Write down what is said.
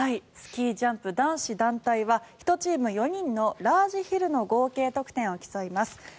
スキージャンプ男子団体は１チーム４人のラージヒルの合計得点を競います。